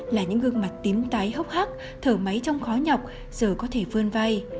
là những gương mặt tím tái hốc hắc thở máy trong khó nhọc giờ có thể phơn vai